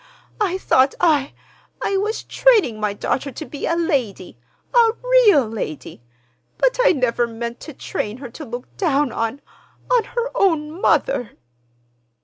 I thought I—I was training my daughter to be a lady—a real lady; but I never meant to train her to look down on—on her own mother!"